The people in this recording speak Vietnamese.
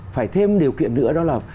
phải thêm điều kiện nữa đó là